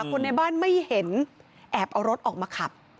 คนในบ้านไม่เห็นแอบเอารถออกมาขับ